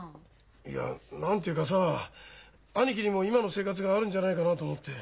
いや何て言うかさ兄貴にも今の生活があるんじゃないかなと思って。